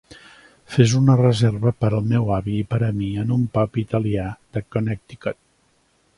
Fes una reserva pe al meu avi i per a mi en un pub italià de Connecticut